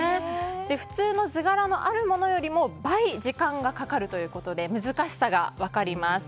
普通の図柄のあるものより倍、時間がかかるということで難しさが分かります。